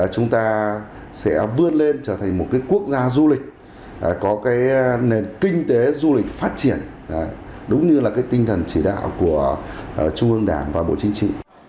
chúng ta sẽ vươn lên trở thành một quốc gia du lịch có cái nền kinh tế du lịch phát triển đúng như là cái tinh thần chỉ đạo của trung ương đảng và bộ chính trị